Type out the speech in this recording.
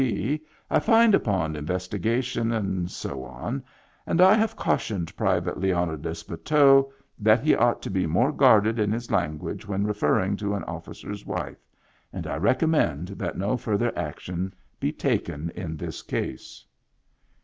T. I find upon investigation," etc., "and I have cautioned Private Leonidas Bateau that he ought to be more guarded in his language when referring to an officer's wife, and I recom mend that no further action be taken in this case."